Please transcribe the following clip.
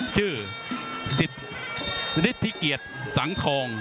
ชื่อฤิทธิเกียจสังธง